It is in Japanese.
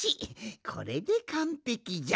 これでかんぺきじゃ。